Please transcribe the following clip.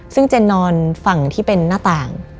ซึ่งเจนนอนฝั่งที่เป็นหน้าต่าง